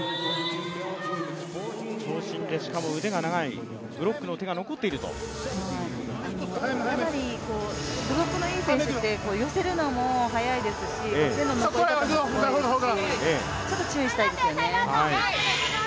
長身でしかも腕が長い、ブロックの手が残っているとかなりブロックのいい選手って寄せるのも早いですし、手の残り方もすごいですし、ちょっと注意したいですよね。